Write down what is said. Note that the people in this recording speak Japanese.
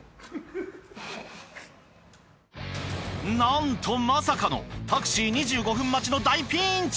なんとまさかのタクシー２５分待ちの大ピンチ。